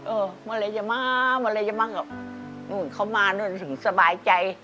เออมาเลยจะมามาเลยจะมาเข้ามานี่ถึงสบายใจ